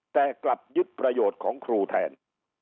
แต่กลับยึดประโยชน์ของครูแทน